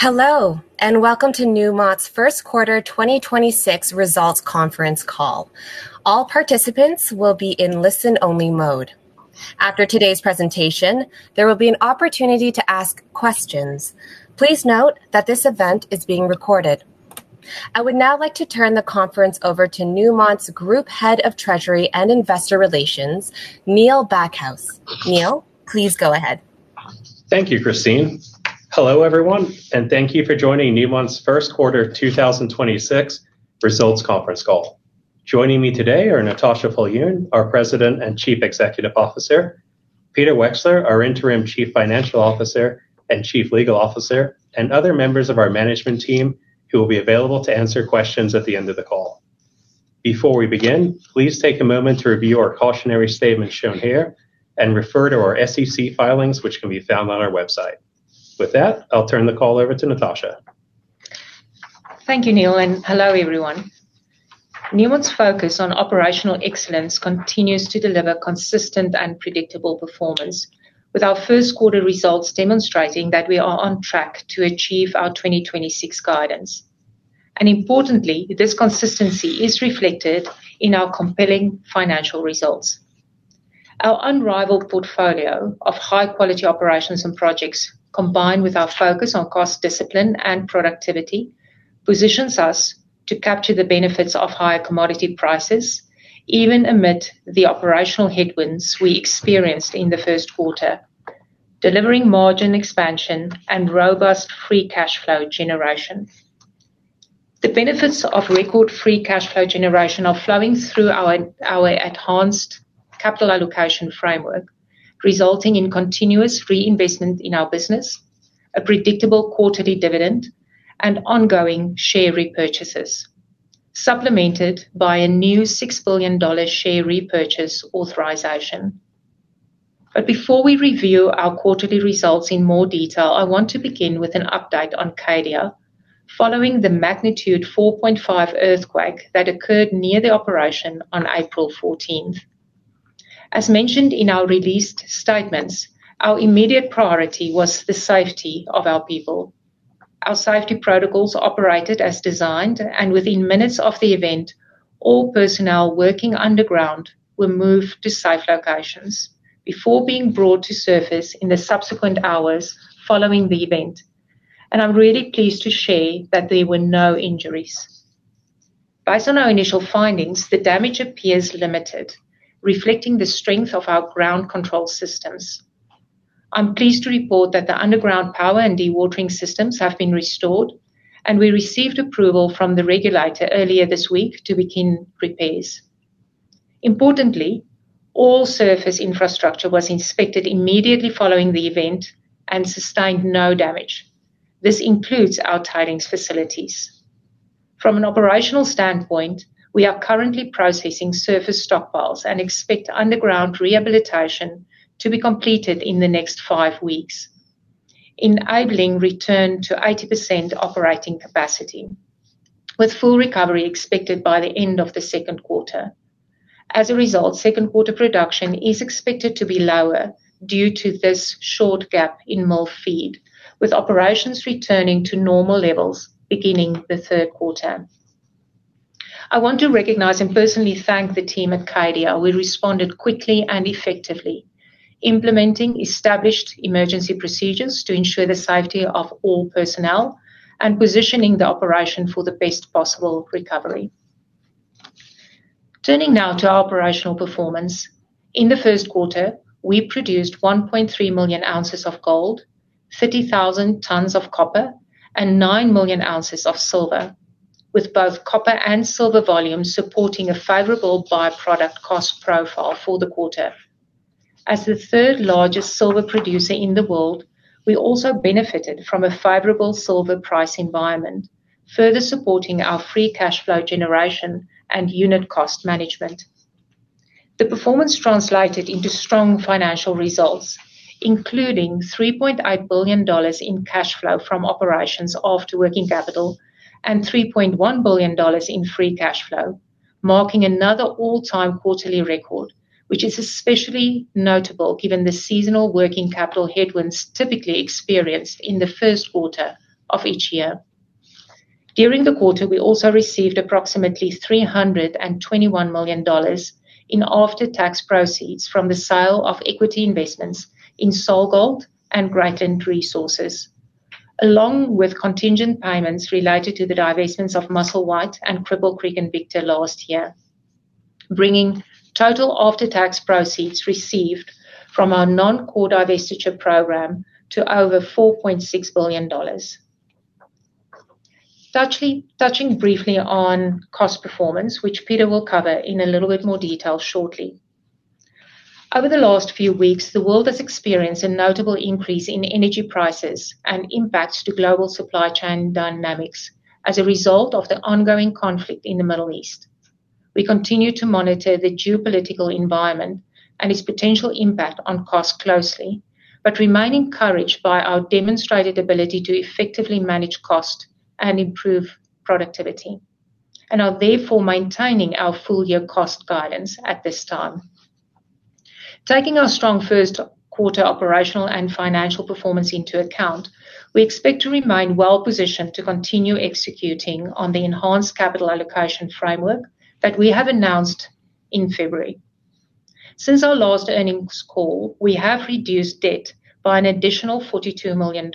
Hello, and welcome to Newmont's first quarter 2026 results conference call. All participants will be in listen-only mode. After today's presentation, there will be an opportunity to ask questions. Please note that this event is being recorded. I would now like to turn the conference over to Newmont's Group Head of Treasury and Investor Relations, Neil Backhouse. Neil, please go ahead. Thank you, Christine. Hello, everyone, and thank you for joining Newmont's first quarter 2026 results conference call. Joining me today are Natascha Viljoen, our President and Chief Executive Officer, Peter Wexler, our Interim Chief Financial Officer and Chief Legal Officer, and other members of our management team who will be available to answer questions at the end of the call. Before we begin, please take a moment to review our cautionary statement shown here and refer to our SEC filings, which can be found on our website. With that, I'll turn the call over to Natascha. Thank you, Neil, and hello, everyone. Newmont's focus on operational excellence continues to deliver consistent and predictable performance, with our first quarter results demonstrating that we are on track to achieve our 2026 guidance. Importantly, this consistency is reflected in our compelling financial results. Our unrivaled portfolio of high-quality operations and projects, combined with our focus on cost discipline and productivity, positions us to capture the benefits of higher commodity prices, even amid the operational headwinds we experienced in the first quarter, delivering margin expansion and robust free cash flow generation. The benefits of record-free cash flow generation are flowing through our enhanced capital allocation framework, resulting in continuous reinvestment in our business, a predictable quarterly dividend, and ongoing share repurchases, supplemented by a new $6 billion share repurchase authorization. Before we review our quarterly results in more detail, I want to begin with an update on Cadia following the magnitude 4.5 earthquake that occurred near the operation on April 14th. As mentioned in our released statements, our immediate priority was the safety of our people. Our safety protocols operated as designed, and within minutes of the event, all personnel working underground were moved to safe locations before being brought to surface in the subsequent hours following the event. I'm really pleased to share that there were no injuries. Based on our initial findings, the damage appears limited, reflecting the strength of our ground control systems. I'm pleased to report that the underground power and dewatering systems have been restored, and we received approval from the regulator earlier this week to begin repairs. Importantly, all surface infrastructure was inspected immediately following the event and sustained no damage. This includes our tailings facilities. From an operational standpoint, we are currently processing surface stockpiles and expect underground rehabilitation to be completed in the next five weeks, enabling return to 80% operating capacity, with full recovery expected by the end of the second quarter. As a result, second quarter production is expected to be lower due to this short gap in mill feed, with operations returning to normal levels beginning the third quarter. I want to recognize and personally thank the team at Cadia, who responded quickly and effectively, implementing established emergency procedures to ensure the safety of all personnel and positioning the operation for the best possible recovery. Turning now to our operational performance. In the first quarter, we produced 1.3 million ounces of gold, 30,000 tons of copper, and 9 million ounces of silver, with both copper and silver volumes supporting a favorable by-product cost profile for the quarter. As the third-largest silver producer in the world, we also benefited from a favorable silver price environment, further supporting our free cash flow generation and unit cost management. The performance translated into strong financial results, including $3.8 billion in cash flow from operations after working capital and $3.1 billion in free cash flow, marking another all-time quarterly record, which is especially notable given the seasonal working capital headwinds typically experienced in the first quarter of each year. During the quarter, we also received approximately $321 million in after-tax proceeds from the sale of equity investments in SolGold and Greatland Gold. Along with contingent payments related to the divestments of Musselwhite and Cripple Creek and Victor last year, bringing total after-tax proceeds received from our non-core divestiture program to over $4.6 billion. Touching briefly on cost performance, which Peter will cover in a little bit more detail shortly. Over the last few weeks, the world has experienced a notable increase in energy prices and impacts to global supply chain dynamics as a result of the ongoing conflict in the Middle East. We continue to monitor the geopolitical environment and its potential impact on costs closely, but remain encouraged by our demonstrated ability to effectively manage cost and improve productivity and are therefore maintaining our full-year cost guidance at this time. Taking our strong first quarter operational and financial performance into account, we expect to remain well-positioned to continue executing on the enhanced capital allocation framework that we have announced in February. Since our last earnings call, we have reduced debt by an additional $42 million,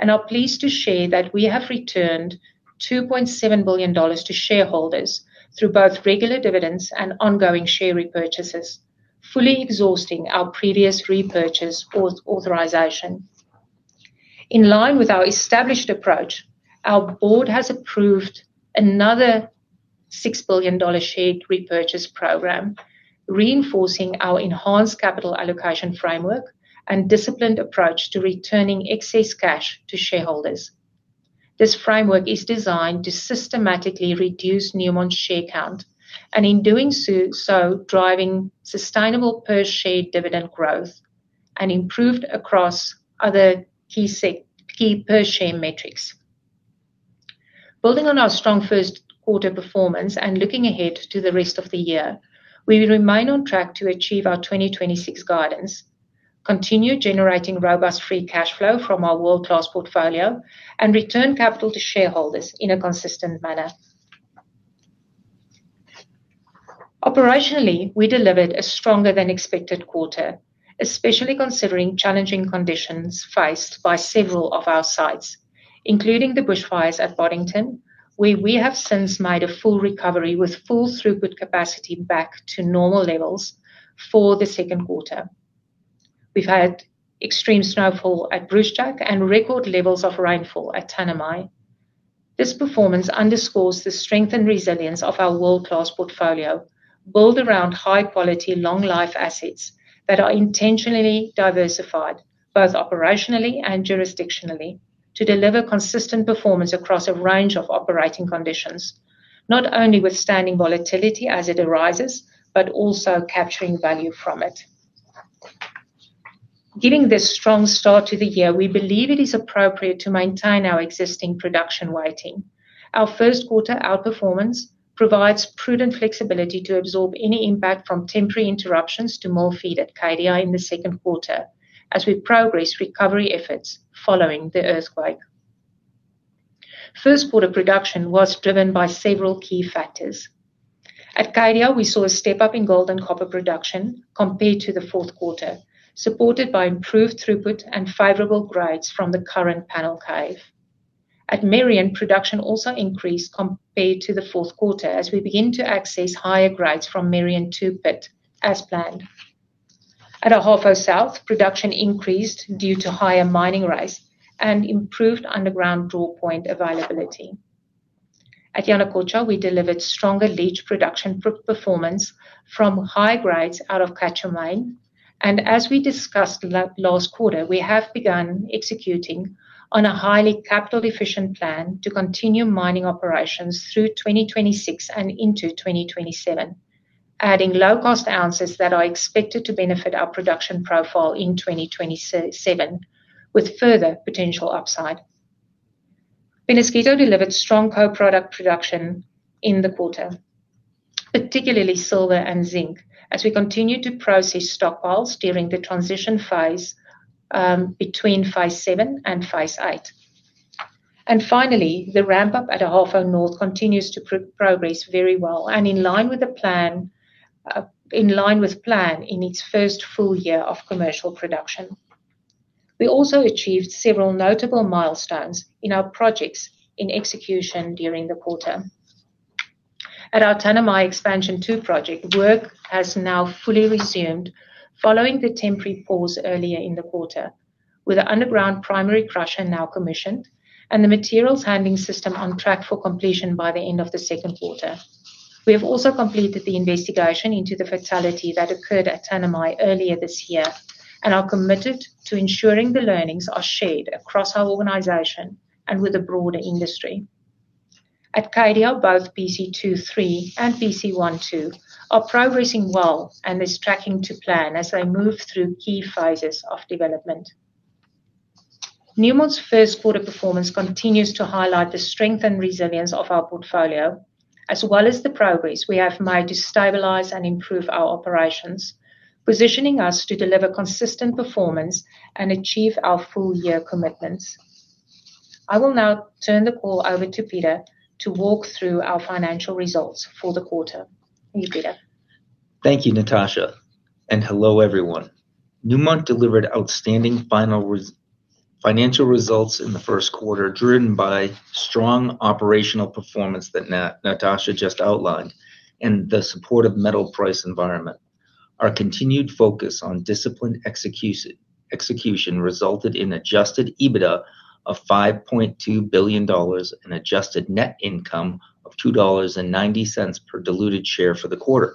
and are pleased to share that we have returned $2.7 billion to shareholders through both regular dividends and ongoing share repurchases, fully exhausting our previous repurchase authorization. In line with our established approach, our board has approved another $6 billion share repurchase program, reinforcing our enhanced capital allocation framework and disciplined approach to returning excess cash to shareholders. This framework is designed to systematically reduce Newmont's share count, and in doing so, driving sustainable per-share dividend growth and improved across other key per share metrics. Building on our strong first quarter performance and looking ahead to the rest of the year, we will remain on track to achieve our 2026 guidance, continue generating robust free cash flow from our world-class portfolio, and return capital to shareholders in a consistent manner. Operationally, we delivered a stronger than expected quarter, especially considering challenging conditions faced by several of our sites, including the bushfires at Boddington, where we have since made a full recovery with full throughput capacity back to normal levels for the second quarter. We've had extreme snowfall at Brucejack and record levels of rainfall at Tanami. This performance underscores the strength and resilience of our world-class portfolio, built around high-quality, long-life assets that are intentionally diversified, both operationally and jurisdictionally, to deliver consistent performance across a range of operating conditions. Not only withstanding volatility as it arises, but also capturing value from it. Giving this strong start to the year, we believe it is appropriate to maintain our existing production weighting. Our first quarter outperformance provides prudent flexibility to absorb any impact from temporary interruptions to mill feed at Cadia in the second quarter as we progress recovery efforts following the earthquake. First quarter production was driven by several key factors. At Cadia, we saw a step up in gold and copper production compared to the fourth quarter, supported by improved throughput and favorable grades from the current panel cave. At Merian, production also increased compared to the fourth quarter as we begin to access higher grades from Merian 2 pit as planned. At Ahafo South, production increased due to higher mining rates and improved underground drawpoint availability. At Yanacocha, we delivered stronger leach production performance from high grades out of Quecher Main. As we discussed last quarter, we have begun executing on a highly capital-efficient plan to continue mining operations through 2026 and into 2027, adding low-cost ounces that are expected to benefit our production profile in 2027, with further potential upside. Peñasquito delivered strong co-product production in the quarter, particularly silver and zinc, as we continue to process stockpiles during the transition phase between phase seven and phase eight. Finally, the ramp-up at Ahafo North continues to progress very well and in line with plan in its first full year of commercial production. We also achieved several notable milestones in our projects in execution during the quarter. At our Tanami Expansion 2 project, work has now fully resumed following the temporary pause earlier in the quarter, with the underground primary crusher now commissioned and the materials handling system on track for completion by the end of the second quarter. We have also completed the investigation into the fatality that occurred at Tanami earlier this year, and are committed to ensuring the learnings are shared across our organization and with the broader industry. At Cadia, both PC23 and PC12 are progressing well and are tracking to plan as they move through key phases of development. Newmont's first quarter performance continues to highlight the strength and resilience of our portfolio, as well as the progress we have made to stabilize and improve our operations, positioning us to deliver consistent performance and achieve our full year commitments. I will now turn the call over to Peter to walk through our financial results for the quarter. Thank you, Peter. Thank you, Natascha, and hello, everyone. Newmont delivered outstanding financial results in the first quarter, driven by strong operational performance that Natascha just outlined and the supportive metal price environment. Our continued focus on disciplined execution resulted in adjusted EBITDA of $5.2 billion and adjusted net income of $2.90 per diluted share for the quarter.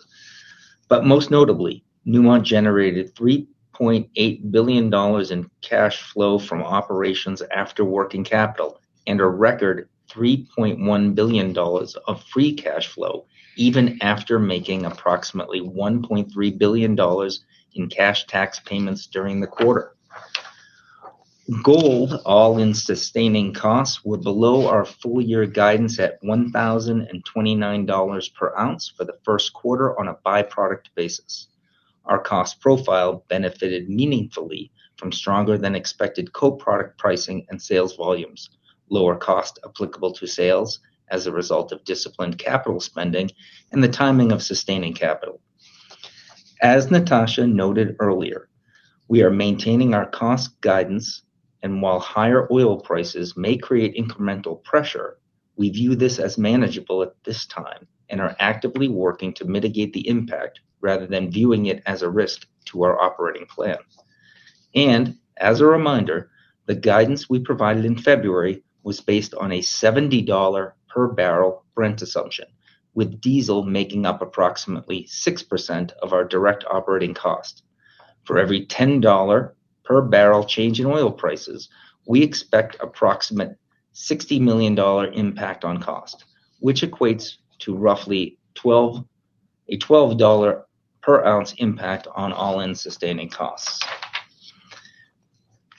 Most notably, Newmont generated $3.8 billion in cash flow from operations after working capital and a record $3.1 billion of free cash flow, even after making approximately $1.3 billion in cash tax payments during the quarter. Gold all-in sustaining costs were below our full-year guidance at $1,029 per ounce for the first quarter on a by-product basis. Our cost profile benefited meaningfully from stronger than expected co-product pricing and sales volumes, lower cost applicable to sales as a result of disciplined capital spending, and the timing of sustaining capital. As Natascha noted earlier, we are maintaining our cost guidance, and while higher oil prices may create incremental pressure, we view this as manageable at this time and are actively working to mitigate the impact rather than viewing it as a risk to our operating plan. As a reminder, the guidance we provided in February was based on a $70 per barrel Brent assumption, with diesel making up approximately 6% of our direct operating cost. For every $10 per barrel change in oil prices, we expect approximate $60 million impact on cost, which equates to roughly a $12 per ounce impact on all-in sustaining costs.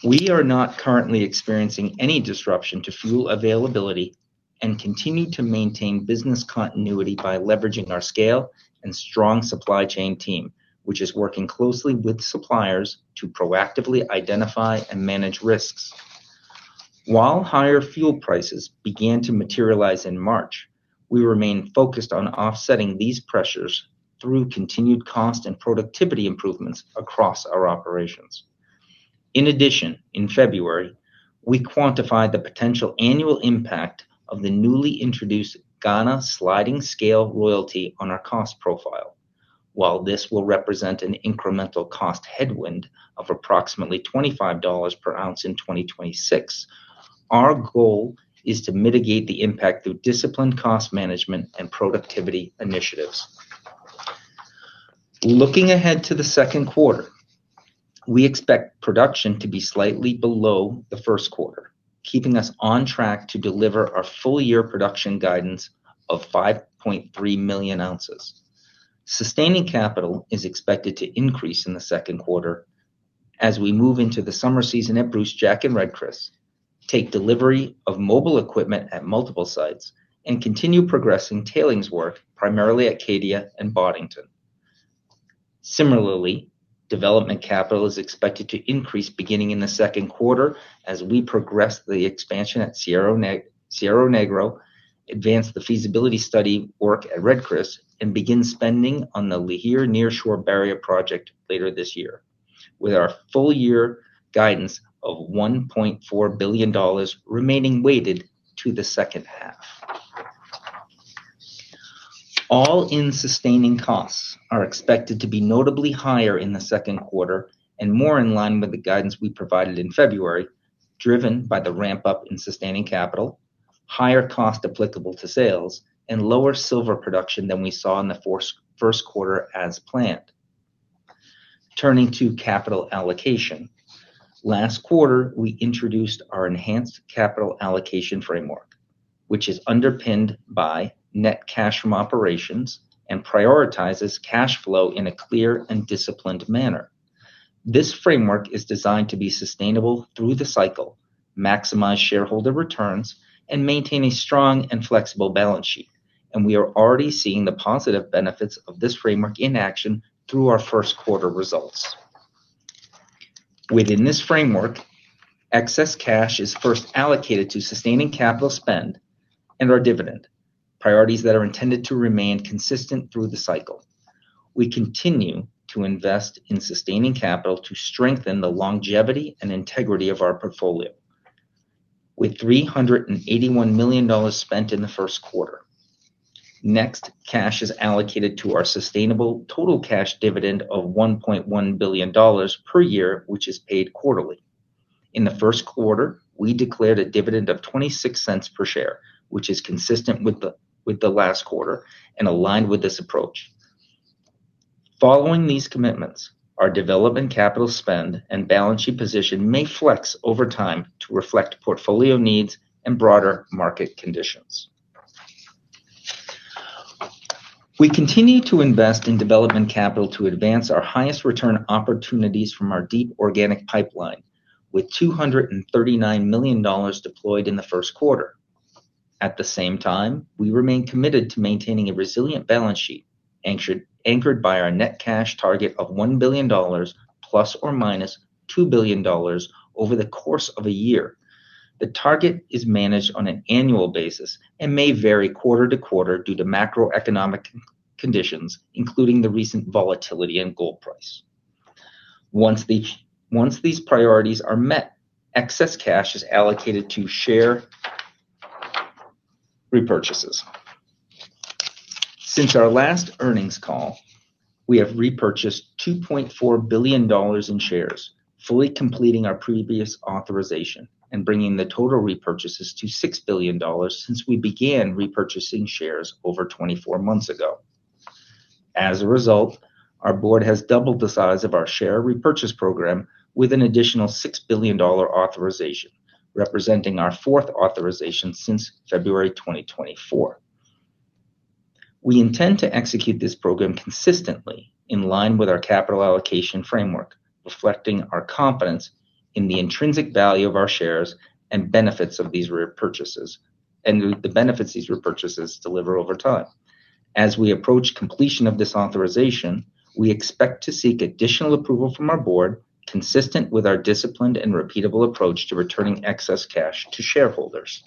We are not currently experiencing any disruption to fuel availability and continue to maintain business continuity by leveraging our scale and strong supply chain team, which is working closely with suppliers to proactively identify and manage risks. While higher fuel prices began to materialize in March, we remain focused on offsetting these pressures through continued cost and productivity improvements across our operations. In addition, in February, we quantified the potential annual impact of the newly introduced Ghana sliding scale royalty on our cost profile. While this will represent an incremental cost headwind of approximately $25 per ounce in 2026, our goal is to mitigate the impact through disciplined cost management and productivity initiatives. Looking ahead to the second quarter, we expect production to be slightly below the first quarter, keeping us on track to deliver our full year production guidance of 5.3 million ounces. Sustaining capital is expected to increase in the second quarter as we move into the summer season at Brucejack and Red Chris, take delivery of mobile equipment at multiple sites, and continue progressing tailings work primarily at Cadia and Boddington. Similarly, development capital is expected to increase beginning in the second quarter as we progress the expansion at Cerro Negro, advance the feasibility study work at Red Chris, and begin spending on the Lihir Nearshore Barrier project later this year, with our full year guidance of $1.4 billion remaining weighted to the second half. All-in sustaining costs are expected to be notably higher in the second quarter and more in line with the guidance we provided in February, driven by the ramp up in sustaining capital, higher costs applicable to sales, and lower silver production than we saw in the first quarter as planned. Turning to capital allocation. Last quarter, we introduced our enhanced capital allocation framework, which is underpinned by net cash from operations and prioritizes cash flow in a clear and disciplined manner. This framework is designed to be sustainable through the cycle, maximize shareholder returns, and maintain a strong and flexible balance sheet, and we are already seeing the positive benefits of this framework in action through our first quarter results. Within this framework, excess cash is first allocated to sustaining capital spend and our dividend, priorities that are intended to remain consistent through the cycle. We continue to invest in sustaining capital to strengthen the longevity and integrity of our portfolio with $381 million spent in the first quarter. Next, cash is allocated to our sustainable total cash dividend of $1.1 billion per year, which is paid quarterly. In the first quarter, we declared a dividend of $0.26 per share, which is consistent with the last quarter and aligned with this approach. Following these commitments, our development capital spend and balance sheet position may flex over time to reflect portfolio needs and broader market conditions. We continue to invest in development capital to advance our highest return opportunities from our deep organic pipeline, with $239 million deployed in the first quarter. At the same time, we remain committed to maintaining a resilient balance sheet, anchored by our net cash target of $1 billion ± $2 billion over the course of a year. The target is managed on an annual basis and may vary quarter to quarter due to macroeconomic conditions, including the recent volatility in gold price. Once these priorities are met, excess cash is allocated to share repurchases. Since our last earnings call, we have repurchased $2.4 billion in shares, fully completing our previous authorization and bringing the total repurchases to $6 billion since we began repurchasing shares over 24 months ago. As a result, our board has doubled the size of our share repurchase program with an additional $6 billion authorization, representing our fourth authorization since February 2024. We intend to execute this program consistently in line with our capital allocation framework, reflecting our confidence in the intrinsic value of our shares and the benefits these repurchases deliver over time. As we approach completion of this authorization, we expect to seek additional approval from our board, consistent with our disciplined and repeatable approach to returning excess cash to shareholders.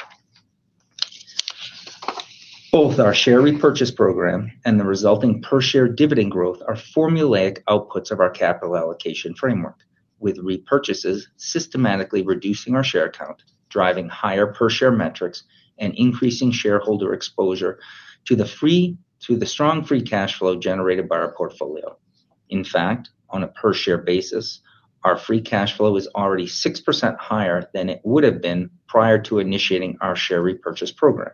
Both our share repurchase program and the resulting per-share dividend growth are formulaic outputs of our capital allocation framework, with repurchases systematically reducing our share count, driving higher per-share metrics, and increasing shareholder exposure to the strong free cash flow generated by our portfolio. In fact, on a per-share basis, our free cash flow is already 6% higher than it would have been prior to initiating our share repurchase program.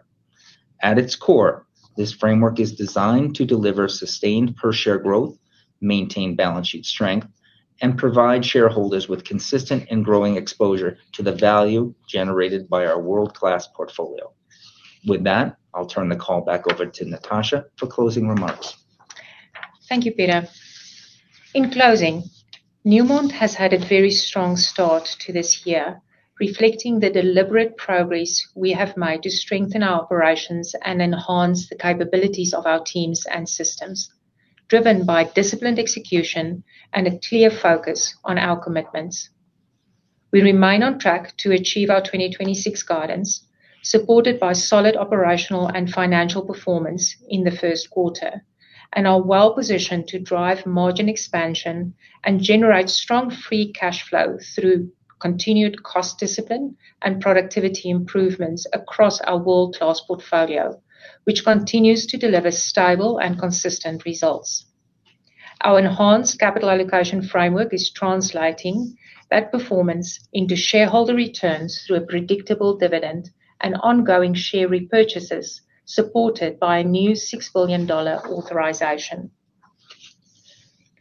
At its core, this framework is designed to deliver sustained per-share growth, maintain balance sheet strength, and provide shareholders with consistent and growing exposure to the value generated by our world-class portfolio. With that, I'll turn the call back over to Natascha for closing remarks. Thank you, Peter. In closing, Newmont has had a very strong start to this year, reflecting the deliberate progress we have made to strengthen our operations and enhance the capabilities of our teams and systems, driven by disciplined execution and a clear focus on our commitments. We remain on track to achieve our 2026 guidance, supported by solid operational and financial performance in the first quarter, and are well-positioned to drive margin expansion and generate strong free cash flow through continued cost discipline and productivity improvements across our world-class portfolio, which continues to deliver stable and consistent results. Our enhanced capital allocation framework is translating that performance into shareholder returns through a predictable dividend and ongoing share repurchases, supported by a new $6 billion authorization.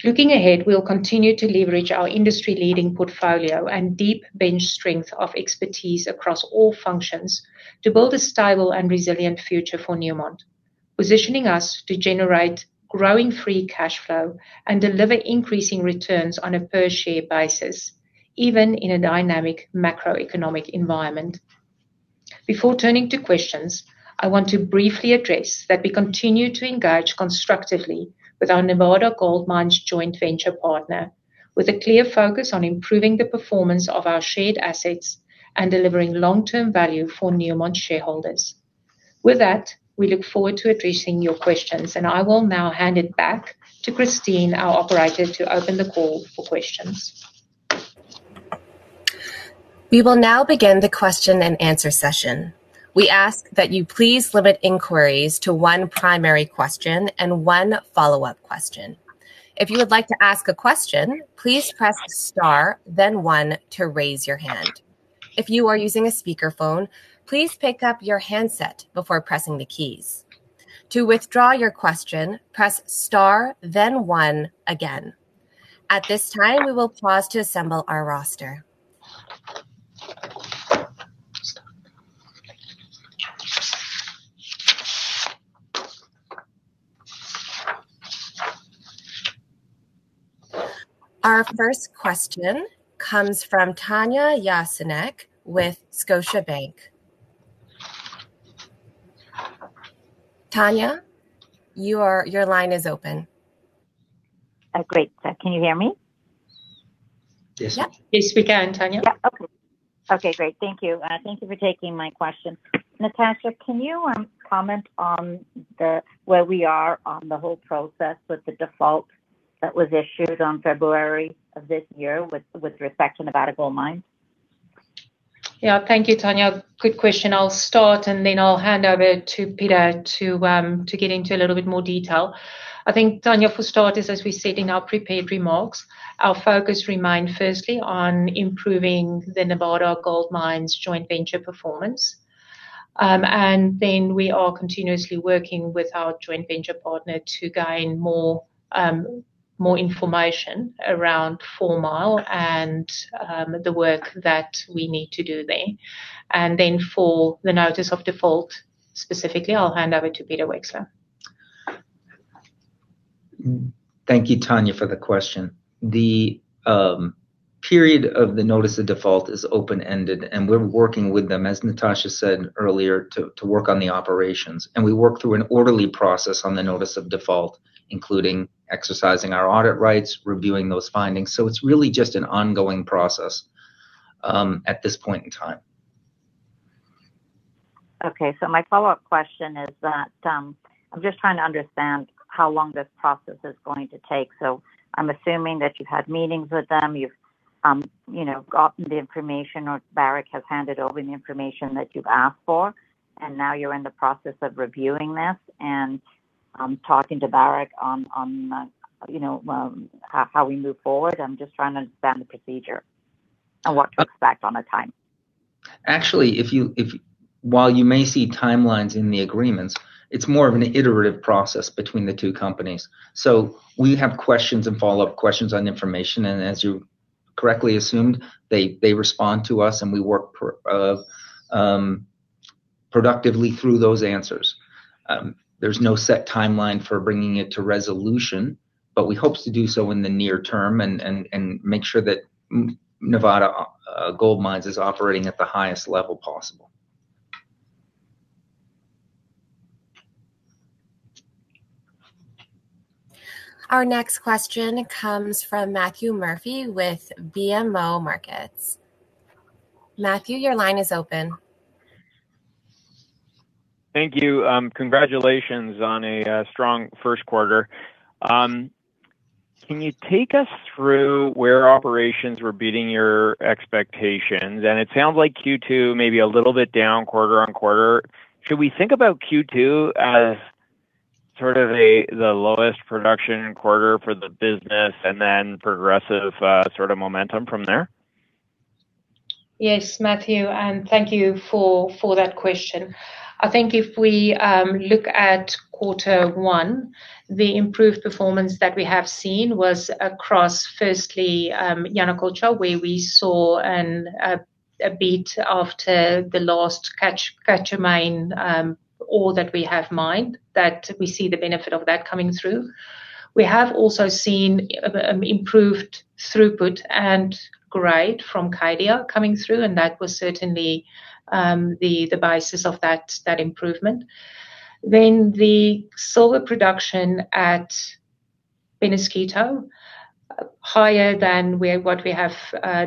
Looking ahead, we'll continue to leverage our industry-leading portfolio and deep bench strength of expertise across all functions to build a stable and resilient future for Newmont, positioning us to generate growing free cash flow and deliver increasing returns on a per-share basis, even in a dynamic macroeconomic environment. Before turning to questions, I want to briefly address that we continue to engage constructively with our Nevada Gold Mines joint venture partner with a clear focus on improving the performance of our shared assets and delivering long-term value for Newmont shareholders. With that, we look forward to addressing your questions, and I will now hand it back to Christine, our operator, to open the call for questions. We will now begin the question and answer session. We ask that you please limit inquiries to one primary question and one follow-up question. If you would like to ask a question, please press star then one to raise your hand. If you are using a speakerphone, please pick up your handset before pressing the keys. To withdraw your question, press star then one again. At this time, we will pause to assemble our roster. Our first question comes from Tanya Jakusconek with Scotiabank. Tanya, your line is open. Great. Can you hear me? Yes. Yes, we can, Tanya. Yeah. Okay. Okay, great. Thank you. Thank you for taking my question. Natascha, can you comment on where we are on the whole process with the default that was issued on February of this year with respect to Nevada Gold Mines? Yeah. Thank you, Tanya. Good question. I'll start, and then I'll hand over to Peter to get into a little bit more detail. I think, Tanya, for starters, as we said in our prepared remarks, our focus remained firstly on improving the Nevada Gold Mines joint venture performance. We are continuously working with our joint venture partner to gain more information around Four Mile and the work that we need to do there. For the notice of default, specifically, I'll hand over to Peter Wexler. Thank you, Tanya, for the question. The period of the notice of default is open-ended, and we're working with them, as Natascha said earlier, to work on the operations. We work through an orderly process on the notice of default, including exercising our audit rights, reviewing those findings. It's really just an ongoing process at this point in time. Okay. My follow-up question is that I'm just trying to understand how long this process is going to take. I'm assuming that you've had meetings with them, you've gotten the information, or Barrick has handed over the information that you've asked for, and now you're in the process of reviewing this and talking to Barrick on how we move forward. I'm just trying to understand the procedure and what to expect on a timeline. Actually, while you may see timelines in the agreements, it's more of an iterative process between the two companies. We have questions and follow-up questions on information, and as you Correctly assumed. They respond to us, and we work productively through those answers. There's no set timeline for bringing it to resolution, but we hope to do so in the near term and make sure that Nevada Gold Mines is operating at the highest level possible. Our next question comes from Matthew Murphy with BMO Capital Markets. Matthew, your line is open. Thank you. Congratulations on a strong first quarter. Can you take us through where operations were beating your expectations? It sounds like Q2 may be a little bit down quarter-over-quarter. Should we think about Q2 as sort of the lowest production quarter for the business and then progressive sort of momentum from there? Yes, Matthew, and thank you for that question. I think if we look at quarter one, the improved performance that we have seen was across, firstly, Yanacocha, where we saw a beat after the last Quecher Main ore that we have mined, that we see the benefit of that coming through. We have also seen improved throughput and grade from Cadia coming through, and that was certainly the basis of that improvement. The silver production at Peñasquito, higher than what we have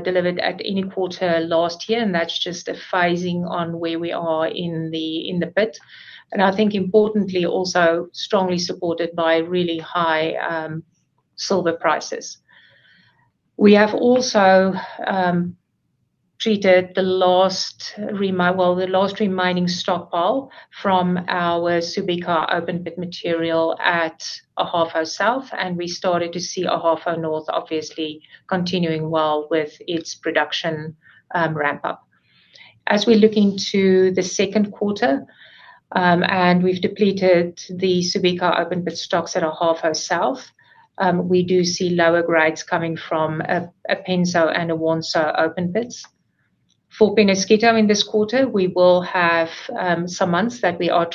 delivered at any quarter last year, and that's just a phasing on where we are in the pit. I think importantly also strongly supported by really high silver prices. We have also treated the last remaining stockpile from our Subika open pit material at Ojo Caliente South, and we started to see Ojo Caliente North obviously continuing well with its production ramp up. As we look into the second quarter, and we've depleted the Subika open pit stocks at Ojo Caliente South, we do see lower grades coming from Apensu and Awonsu open pits. For Peñasquito in this quarter, we will have some months that we are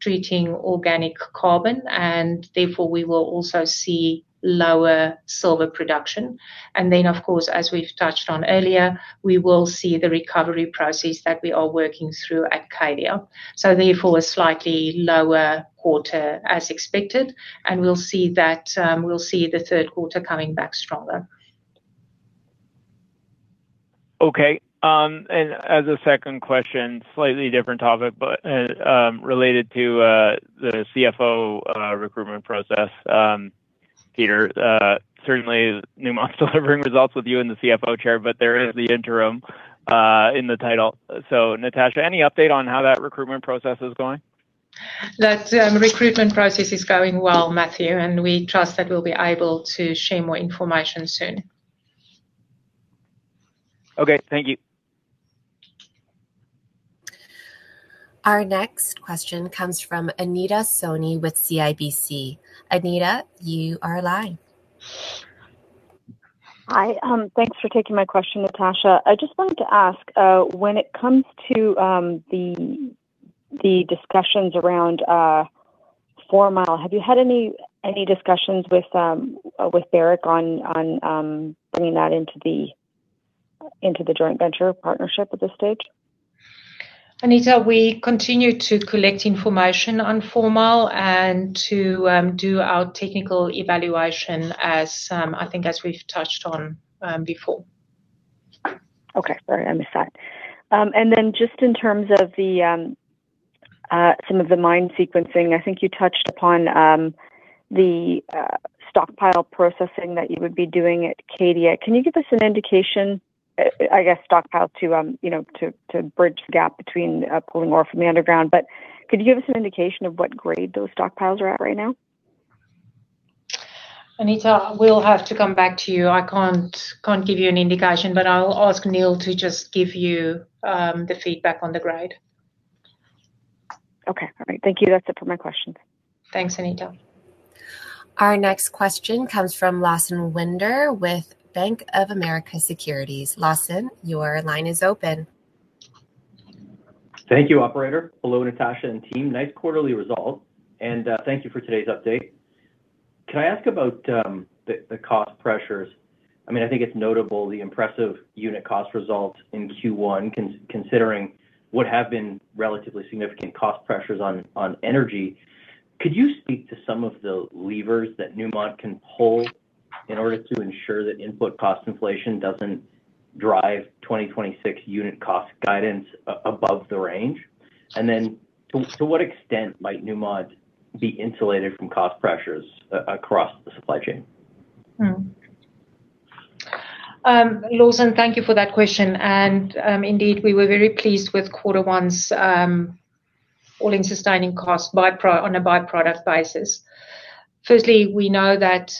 treating organic carbon, and therefore we will also see lower silver production. Of course, as we've touched on earlier, we will see the recovery process that we are working through at Cadia. Therefore, a slightly lower quarter as expected, and we'll see the third quarter coming back stronger. Okay. As a second question, slightly different topic, but related to the CFO recruitment process. Peter, certainly Newmont's delivering results with you in the CFO chair, but there is the interim in the title. Natascha, any update on how that recruitment process is going? That recruitment process is going well, Matthew, and we trust that we'll be able to share more information soon. Okay. Thank you. Our next question comes from Anita Soni with CIBC. Anita, you are live. Hi. Thanks for taking my question, Natascha. I just wanted to ask, when it comes to the discussions around Four Mile, have you had any discussions with Barrick on bringing that into the joint venture partnership at this stage? Anita, we continue to collect information on Four Mile and to do our technical evaluation as, I think as we've touched on before. Okay. Sorry, I missed that. Just in terms of some of the mine sequencing, I think you touched upon the stockpile processing that you would be doing at Cadia. Can you give us an indication, I guess, stockpile to bridge the gap between pulling ore from the underground, but could you give us an indication of what grade those stockpiles are at right now? Anita, we'll have to come back to you. I can't give you an indication, but I'll ask Neil to just give you the feedback on the grade. Okay. All right. Thank you. That's it for my questions. Thanks, Anita. Our next question comes from Lawson Winder with Bank of America Securities. Lawson, your line is open. Thank you, operator. Hello, Natascha and team. Nice quarterly results, and thank you for today's update. Can I ask about the cost pressures? I think it's notable the impressive unit cost results in Q1, considering what have been relatively significant cost pressures on energy. Could you speak to some of the levers that Newmont can pull in order to ensure that input cost inflation doesn't drive 2026 unit cost guidance above the range? To what extent might Newmont be insulated from cost pressures across the supply chain? Lawson, thank you for that question. Indeed, we were very pleased with quarter one's all-in sustaining costs on a by-product basis. Firstly, we know that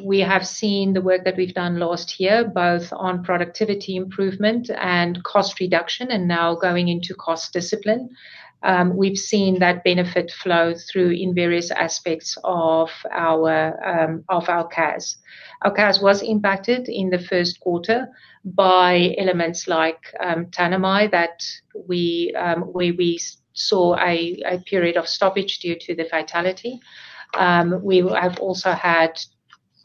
we have seen the work that we've done last year, both on productivity improvement and cost reduction, and now going into cost discipline. We've seen that benefit flow through in various aspects of our CAS. Our CAS was impacted in the first quarter by elements like Tanami, where we saw a period of stoppage due to the fatality. We have also had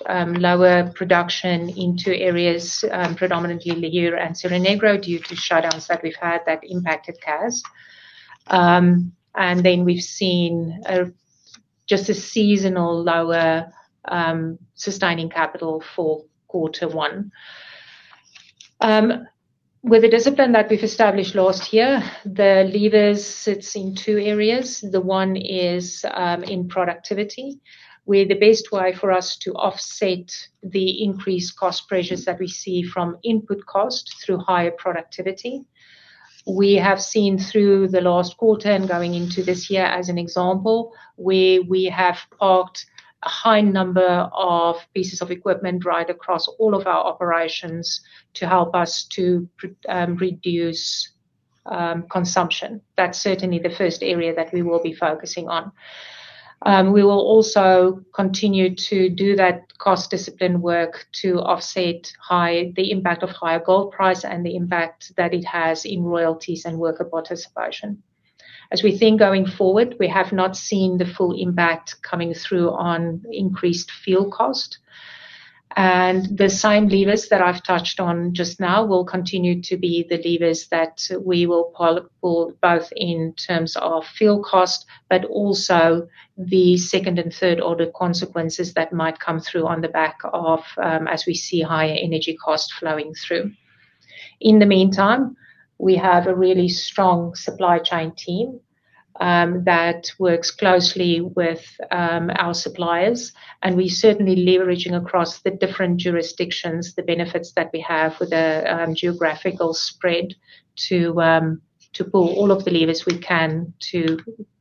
lower production in two areas, predominantly Lihir and Cerro Negro, due to shutdowns that we've had that impacted CAS. Then we've seen just a seasonal lower sustaining capital for quarter one. With the discipline that we've established last year, the levers sits in two areas. The one is in productivity, where the best way for us to offset the increased cost pressures that we see from input cost through higher productivity. We have seen through the last quarter and going into this year, as an example, where we have parked a high number of pieces of equipment right across all of our operations to help us to reduce consumption. That's certainly the first area that we will be focusing on. We will also continue to do that cost discipline work to offset the impact of higher gold price and the impact that it has in royalties and worker participation. As we think going forward, we have not seen the full impact coming through on increased fuel cost. The same levers that I've touched on just now will continue to be the levers that we will pull, both in terms of fuel cost, but also the second and third order consequences that might come through on the back of as we see higher energy cost flowing through. In the meantime, we have a really strong supply chain team that works closely with our suppliers, and we're certainly leveraging across the different jurisdictions, the benefits that we have with the geographical spread to pull all of the levers we can to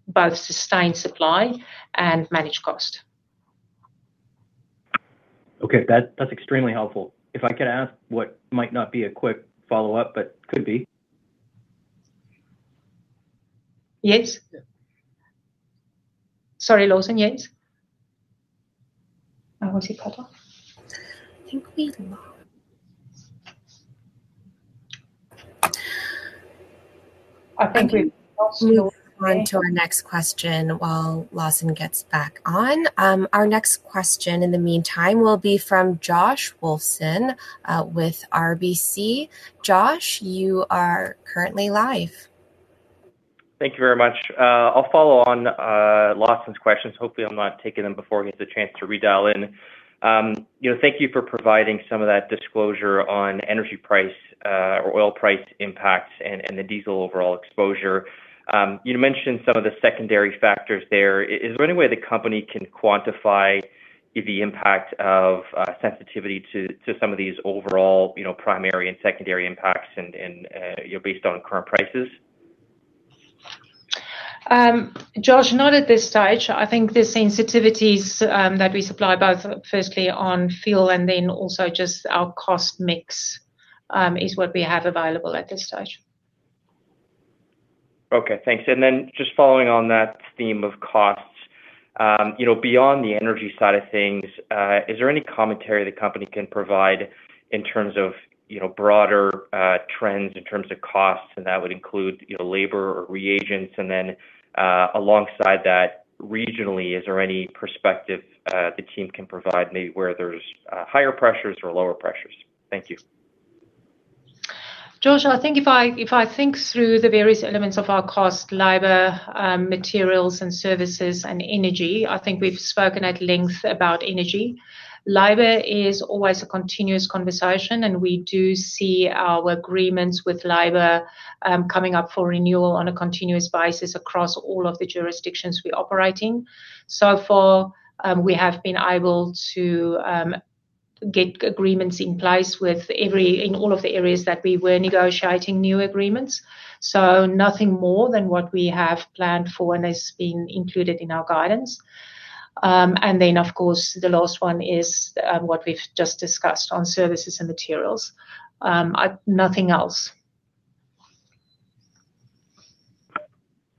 both sustain supply and manage cost. Okay. That's extremely helpful. If I could ask what might not be a quick follow-up, but could be. Yes. Sorry, Lawson. Yes. Was he cut off? I think we lost him. I think we will move on to our next question while Lawson gets back on. Our next question in the meantime will be from Josh Wolfson with RBC. Josh, you are currently live. Thank you very much. I'll follow on Lawson's questions. Hopefully, I'm not taking them before he gets a chance to redial in. Thank you for providing some of that disclosure on energy price or oil price impacts and the diesel overall exposure. You mentioned some of the secondary factors there. Is there any way the company can quantify the impact of sensitivity to some of these overall primary and secondary impacts based on current prices? Josh, not at this stage. I think the sensitivities that we supply both firstly on fuel and then also just our cost mix, is what we have available at this stage. Okay, thanks. Just following on that theme of costs. Beyond the energy side of things, is there any commentary the company can provide in terms of broader trends, in terms of costs, and that would include labor or reagents? Alongside that, regionally, is there any perspective the team can provide maybe where there's higher pressures or lower pressures? Thank you. Josh, if I think through the various elements of our cost, labor, materials and services and energy, I think we've spoken at length about energy. Labor is always a continuous conversation, and we do see our agreements with labor coming up for renewal on a continuous basis across all of the jurisdictions we operate in. So far, we have been able to get agreements in place in all of the areas that we were negotiating new agreements. Nothing more than what we have planned for and has been included in our guidance. Of course, the last one is what we've just discussed on services and materials. Nothing else.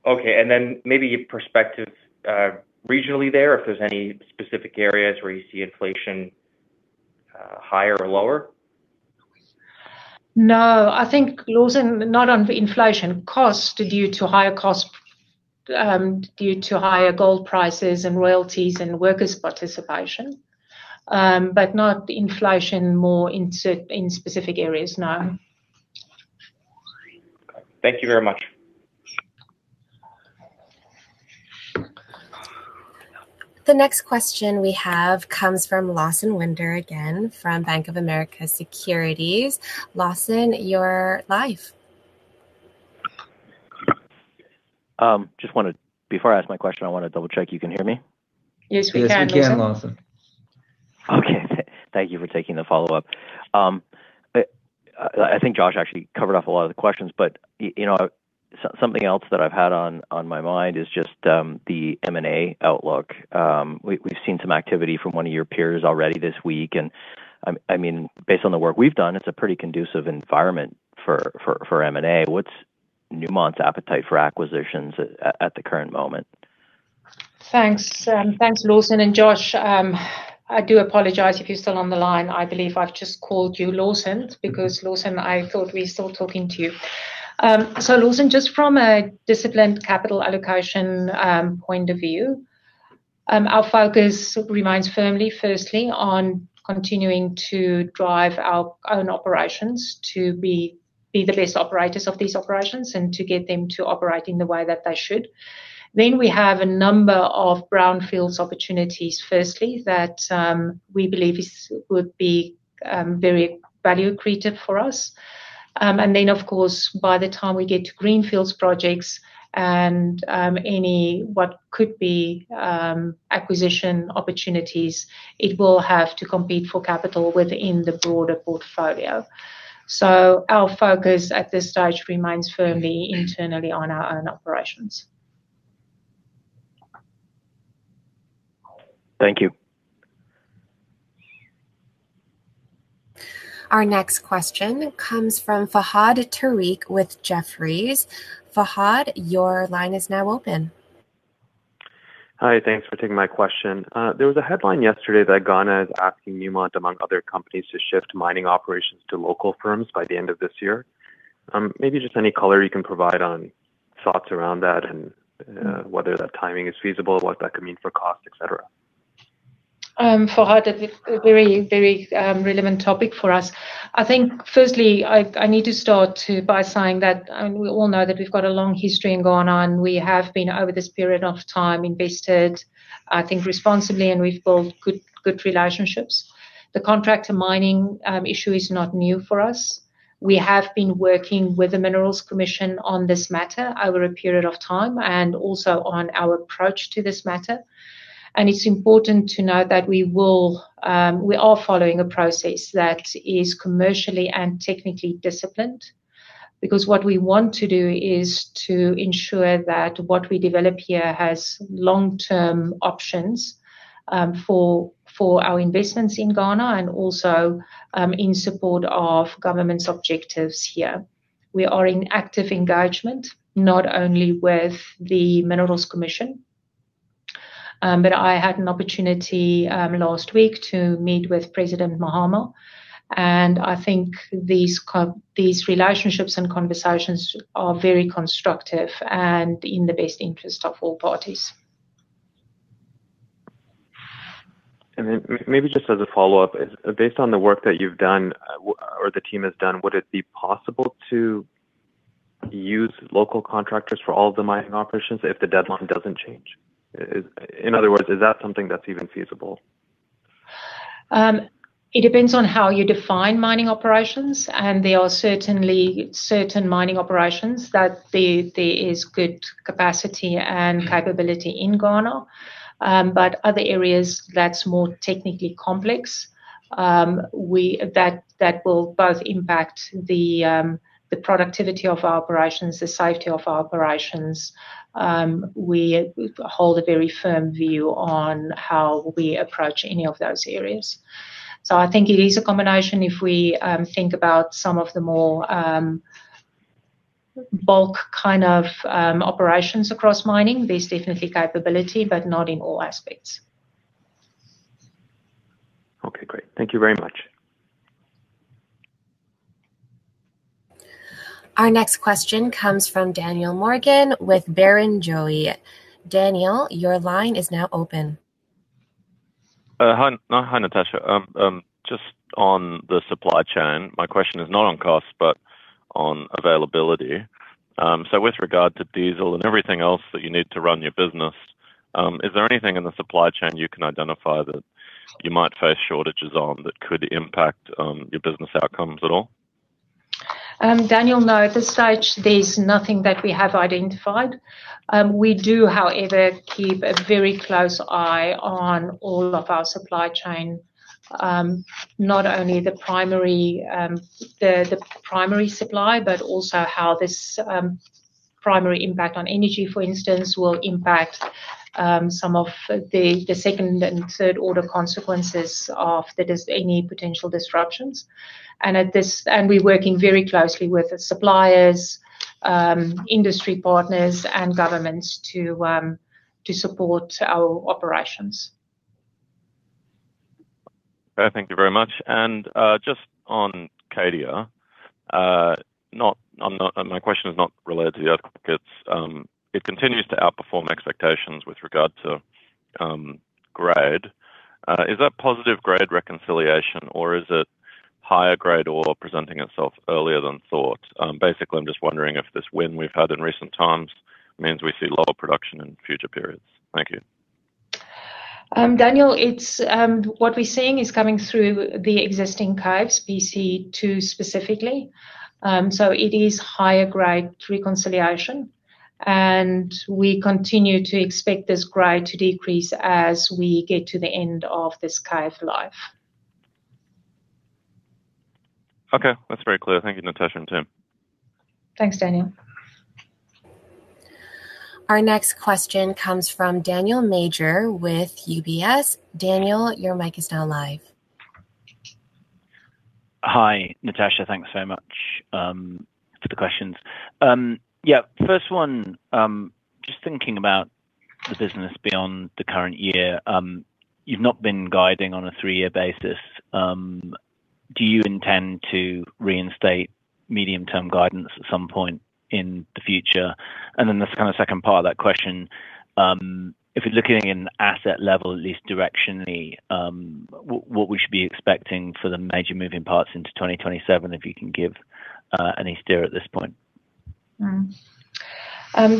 Okay. Maybe your perspective regionally there, if there's any specific areas where you see inflation higher or lower? No, I think, Lawson, not on inflation. Costs due to higher gold prices and royalties and workers' participation, but not inflation more in specific areas, no. Thank you very much. The next question we have comes from Lawson Winder, again, from Bank of America Securities. Lawson, you're live. Before I ask my question, I want to double-check you can hear me. Yes, we can, Lawson. Okay. Thank you for taking the follow-up. I think Josh actually covered off a lot of the questions, but something else that I've had on my mind is just the M&A outlook. We've seen some activity from one of your peers already this week, and based on the work we've done, it's a pretty conducive environment for M&A. What's Newmont's appetite for acquisitions at the current moment? Thanks, Lawson and Josh. I do apologize if you're still on the line. I believe I've just called you Lawson because, Lawson, I thought we still talking to you. Lawson, just from a disciplined capital allocation point of view, our focus remains firmly, firstly, on continuing to drive our own operations to be the best operators of these operations and to get them to operate in the way that they should. We have a number of brownfields opportunities, firstly, that we believe would be very value-accretive for us. Of course, by the time we get to greenfields projects and any what could be acquisition opportunities, it will have to compete for capital within the broader portfolio. Our focus at this stage remains firmly internally on our own operations. Thank you. Our next question comes from Fahad Tariq with Jefferies. Fahad, your line is now open. Hi. Thanks for taking my question. There was a headline yesterday that Ghana is asking Newmont, among other companies, to shift mining operations to local firms by the end of this year. Maybe just any color you can provide on thoughts around that and whether that timing is feasible, what that could mean for cost, et cetera. Fahad, a very relevant topic for us. I think firstly, I need to start by saying that we all know that we've got a long history in Ghana, and we have been, over this period of time, invested, I think, responsibly, and we've built good relationships. The contract to mining issue is not new for us. We have been working with the Minerals Commission on this matter over a period of time and also on our approach to this matter. It's important to note that we are following a process that is commercially and technically disciplined, because what we want to do is to ensure that what we develop here has long-term options for our investments in Ghana and also in support of government's objectives here. We are in active engagement, not only with the Minerals Commission, but I had an opportunity last week to meet with President Mahama, and I think these relationships and conversations are very constructive and in the best interest of all parties. Maybe just as a follow-up, based on the work that you've done or the team has done, would it be possible to use local contractors for all of the mining operations if the deadline doesn't change? In other words, is that something that's even feasible? It depends on how you define mining operations, and there are certainly certain mining operations that there is good capacity and capability in Ghana. Other areas that's more technically complex, that will both impact the productivity of our operations, the safety of our operations. We hold a very firm view on how we approach any of those areas. I think it is a combination if we think about some of the more bulk kind of operations across mining. There's definitely capability, but not in all aspects. Okay, great. Thank you very much. Our next question comes from Daniel Morgan with Barrenjoey. Daniel, your line is now open. Hi, Natascha. Just on the supply chain, my question is not on cost but on availability. With regard to diesel and everything else that you need to run your business, is there anything in the supply chain you can identify that you might face shortages on that could impact your business outcomes at all? Daniel, no. At this stage, there's nothing that we have identified. We do, however, keep a very close eye on all of our supply chain. Not only the primary supply, but also how this primary impact on energy, for instance, will impact some of the second and third order consequences of any potential disruptions. We're working very closely with the suppliers, industry partners, and governments to support our operations. Okay. Thank you very much. Just on Cadia. My question is not related to the earth movements. It continues to outperform expectations with regard to grade. Is that positive grade reconciliation or is it higher grade ore presenting itself earlier than thought? Basically, I'm just wondering if this win we've had in recent times means we see lower production in future periods. Thank you. Daniel, what we're seeing is coming through the existing caves, BC2 specifically. It is higher grade reconciliation, and we continue to expect this grade to decrease as we get to the end of this cave life. Okay, that's very clear. Thank you, Natascha and Tim. Thanks, Daniel. Our next question comes from Daniel Major with UBS. Daniel, your mic is now live. Hi, Natascha. Thanks so much for the questions. Yeah. First one, just thinking about the business beyond the current year, you've not been guiding on a three-year basis. Do you intend to reinstate medium-term guidance at some point in the future? The kind of second part of that question, if you're looking at asset level, at least directionally, what we should be expecting for the major moving parts into 2027, if you can give any steer at this point.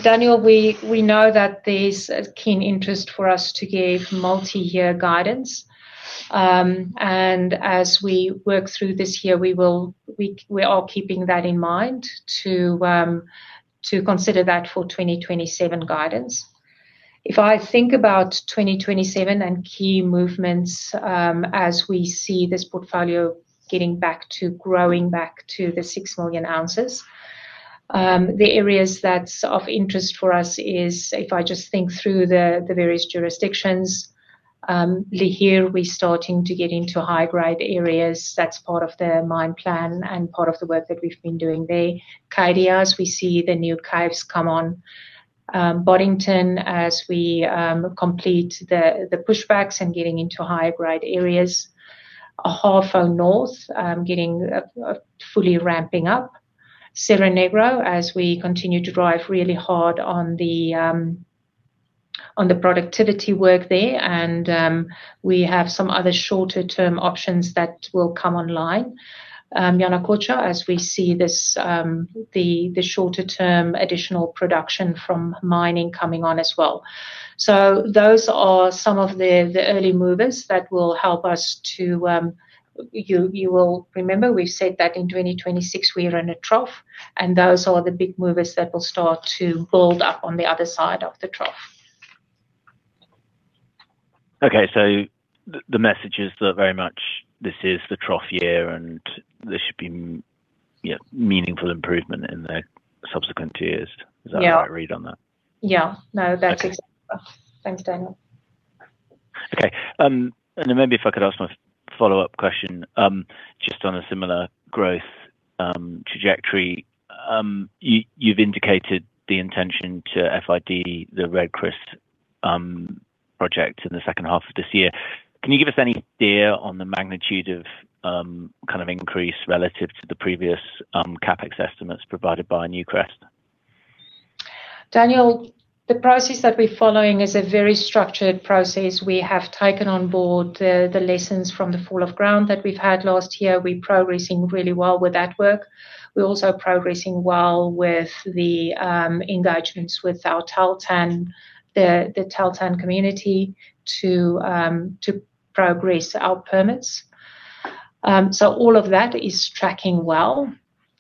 Daniel, we know that there's a keen interest for us to give multi-year guidance. As we work through this year, we are keeping that in mind to consider that for 2027 guidance. If I think about 2027 and key movements, as we see this portfolio getting back to growing back to the 6 million ounces, the areas that's of interest for us is if I just think through the various jurisdictions. Lihir, we're starting to get into high-grade areas. That's part of their mine plan and part of the work that we've been doing there. Cadia, as we see the new caves come on. Boddington, as we complete the pushbacks and getting into high-grade areas. Ahafo North, getting fully ramping up. Cerro Negro, as we continue to drive really hard on the productivity work there. We have some other shorter-term options that will come online. Yanacocha, as we see the shorter-term additional production from mining coming on as well. Those are some of the early movers that will help us. You will remember, we said that in 2026 we are in a trough, and those are the big movers that will start to build up on the other side of the trough. Okay, the message is that very much this is the trough year, and there should be meaningful improvement in the subsequent years. Yeah. Is that the right read on that? Yeah. No, that's exactly. Thanks, Daniel. Okay. Maybe if I could ask my follow-up question, just on a similar growth trajectory. You've indicated the intention to FID the Red Chris project in the second half of this year. Can you give us any steer on the magnitude of increase relative to the previous CapEx estimates provided by Newcrest? Daniel, the process that we're following is a very structured process. We have taken on board the lessons from the fall of ground that we've had last year. We're progressing really well with that work. We're also progressing well with the engagements with our Tahltan, the Tahltan community to progress our permits. All of that is tracking well.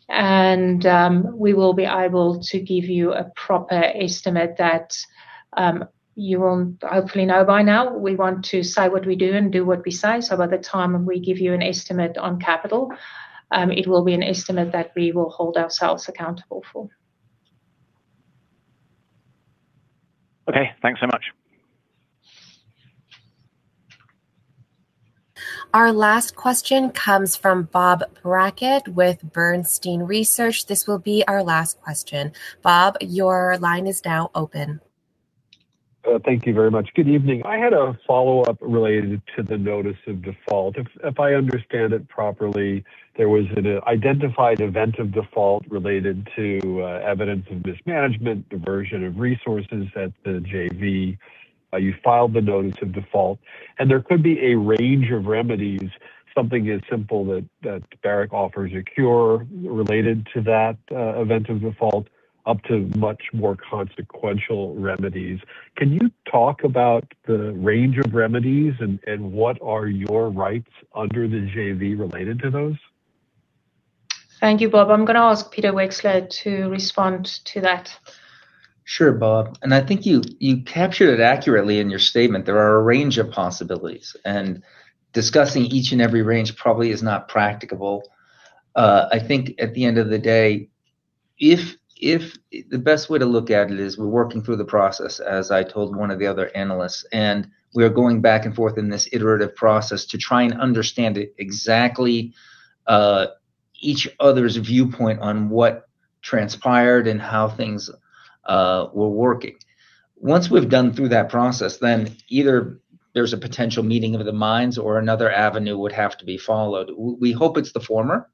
We will be able to give you a proper estimate that you will hopefully know by now. We want to say what we do and do what we say. By the time we give you an estimate on capital, it will be an estimate that we will hold ourselves accountable for. Okay. Thanks so much. Our last question comes from Bob Brackett with Bernstein Research. This will be our last question. Bob, your line is now open. Thank you very much. Good evening. I had a follow-up related to the notice of default. If I understand it properly, there was an identified event of default related to evidence of mismanagement, diversion of resources at the JV. You filed the notice of default, and there could be a range of remedies, something as simple that Barrick offers a cure related to that event of default, up to much more consequential remedies. Can you talk about the range of remedies and what are your rights under the JV related to those? Thank you, Bob. I'm going to ask Peter Wexler to respond to that. Sure, Bob. I think you captured it accurately in your statement. There are a range of possibilities, and discussing each and every range probably is not practicable. I think at the end of the day, the best way to look at it is we're working through the process, as I told one of the other analysts, and we are going back and forth in this iterative process to try and understand exactly each other's viewpoint on what transpired and how things were working. Once we've done through that process, then either there's a potential meeting of the minds or another avenue would have to be followed. We hope it's the former,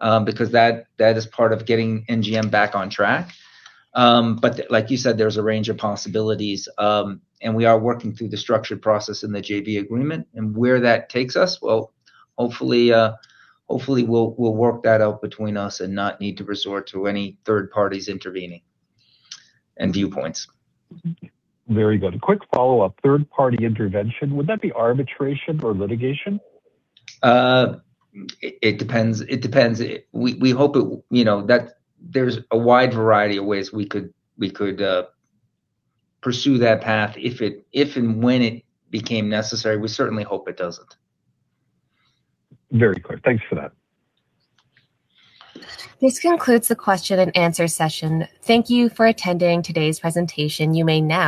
because that is part of getting NGM back on track. Like you said, there's a range of possibilities, and we are working through the structured process in the JV agreement. Where that takes us, well, hopefully, we'll work that out between us and not need to resort to any third parties intervening and viewpoints. Very good. Quick follow-up. Third-party intervention, would that be arbitration or litigation? It depends. There's a wide variety of ways we could pursue that path if and when it became necessary. We certainly hope it doesn't. Very clear. Thanks for that. This concludes the question and answer session. Thank you for attending today's presentation. You may now